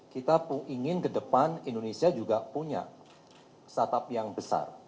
kita ingin ke depan indonesia juga punya startup yang besar